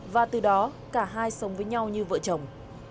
và từ đó cả hai sống với nhau như vợ chồng